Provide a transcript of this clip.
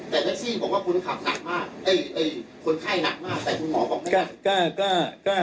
แต่เมื่อกี้บอกว่าคุณขับหนักมากคนไข้หนักมากแต่คุณหมอบอกไม่หนัก